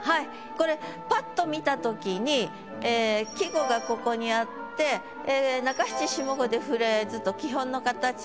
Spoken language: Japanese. これパッと見た時にええ季語がここにあって中七下五でフレーズと。